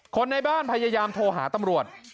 คนในบ้านพยายามโทรหาตำรวจ